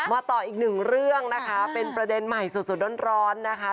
ต่ออีกหนึ่งเรื่องนะคะเป็นประเด็นใหม่สดร้อนนะคะ